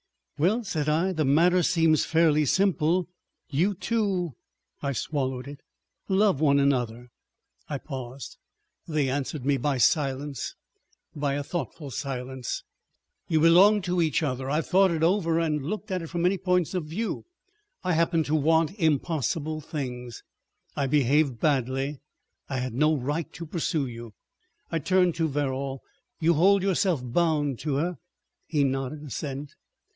"Well," said I, "the matter seems fairly simple. You two"—I swallowed it—"love one another." I paused. They answered me by silence, by a thoughtful silence. "You belong to each other. I have thought it over and looked at it from many points of view. I happened to want—impossible things. ... I behaved badly. I had no right to pursue you." I turned to Verrall. "You hold yourself bound to her?" He nodded assent.